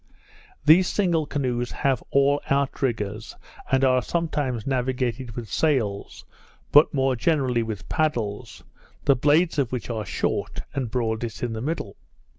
These single canoes have all out riggers, and are sometimes navigated with sails, but more generally with paddles, the blades of which are short, and broadest in the middle.